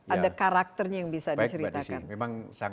ada karakternya yang bisa diceritakan